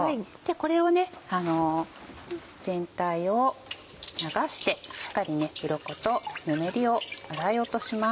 これを全体を流してしっかりうろことぬめりを洗い落とします。